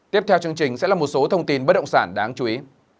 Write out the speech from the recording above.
tiếp theo chương trình sẽ là một số thông tin bất động sản đáng chú ý